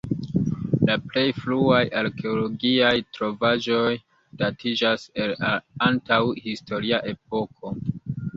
La plej fruaj arkeologiaj trovaĵoj datiĝas el la antaŭ-historia epoko.